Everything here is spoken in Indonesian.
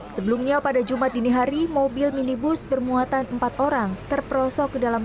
sebelumnya pada jumat dini hari mobil minibus bermuatan empat orang terperosok ke dalam